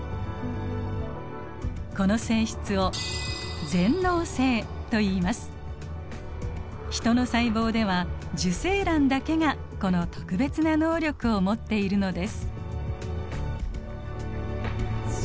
この性質をヒトの細胞では受精卵だけがこの特別な能力を持っているのです。